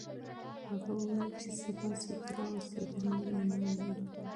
هغه وویل چې پاکوالی نیم ایمان دی.